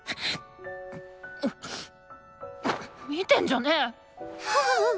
見てんじゃね！